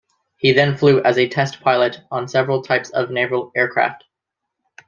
He then flew as a test pilot on several types of naval aircraft.